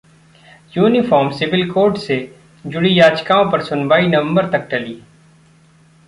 uniform civil code से जुड़ी याचिकाओं पर सुनवाई नवंबर तक टली